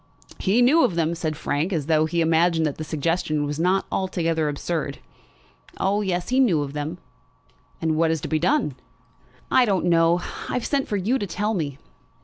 "He knew of them," said Frank, as though he imagined that the suggestion was not altogether absurd. "Oh, yes; he knew of them." "And what is to be done?" "I don't know. I've sent for you to tell me."